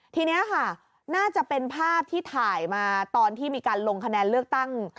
ทีนี้ค่ะน่าจะเป็นภาพที่ถ่ายมาตอนที่มีการลงคะแนนเลือกตั้ง